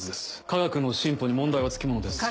科学の進歩に問題は付きものです。